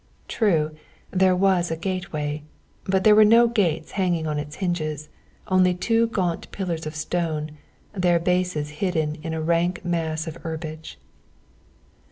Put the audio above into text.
True, there was a gateway, but there were no gates hanging on its hinges; only two gaunt pillars of stone, their bases hidden in a rank mass of herbage.